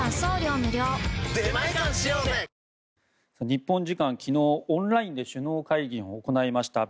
日本時間昨日オンラインで首脳会議を行いました